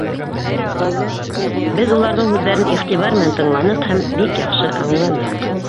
Беҙ уларҙың һүҙҙәрен иғтибар менән тыңланыҡ һәм бик яҡшы аңланыҡ.